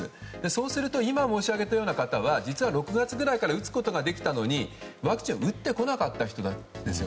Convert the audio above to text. そうすると今申し上げたような方は６月から打つことができたのにワクチンを打ってこなかった人なんです。